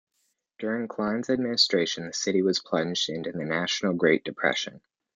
During Kline's administration the city was plunged into the national Great Depression.